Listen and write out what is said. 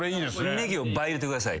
ネギを倍入れてください。